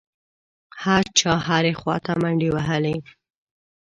هر چا هرې خوا ته منډې وهلې.